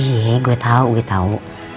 iya gue tau gue tau